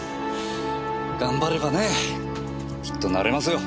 頑張ればねきっとなれますよ。